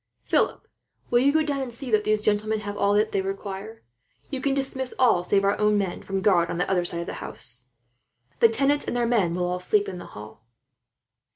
"Philip, will you go down and see that these gentlemen have all that they require? You can dismiss all save our own men from guard, on the other side of the house. The tenants and their men will all sleep in the hall."